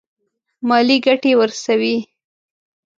مالي ګټي ورسوي.